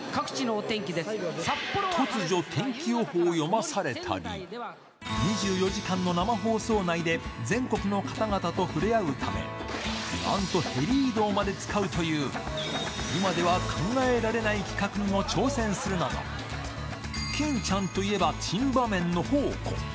突如、天気予報を読まされたり、２４時間の生放送内で全国の方々と触れ合うため、なんとヘリ移動まで使うという、今では考えられない企画にも挑戦するなど、欽ちゃんといえば珍場面の宝庫。